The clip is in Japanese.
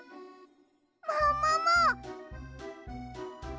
ももも！？